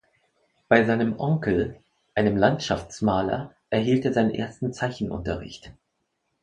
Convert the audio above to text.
Bei seinem Onkel, einem Landschaftsmaler, erhielt er seinen ersten Zeichenunterricht.